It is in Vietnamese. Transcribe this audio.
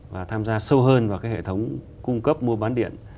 và tham gia sâu hơn vào cái hệ thống cung cấp mua bán điện